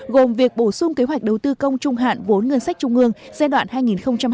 gồm việc bổ sung kế hoạch đầu tư công trung hạn vốn ngân sách trung hương giai đoạn hai nghìn hai mươi một hai nghìn hai mươi năm